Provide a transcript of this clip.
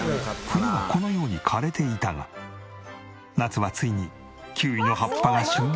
冬はこのように枯れていたが夏はついにキウイの葉っぱが旬を迎え。